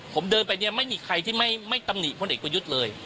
ผมเดินไปเนี่ยไม่มีใครที่ไม่ตำหนิพลเอกประยุทธ์เลย